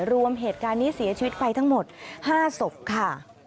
รวมเหตุการณ์นี้เสียชีวิตไปทั้งหมด๕ศพค่ะ